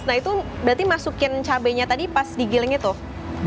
nah itu berarti masukin cabenya tadi pas digilingnya tuh chef apa gimana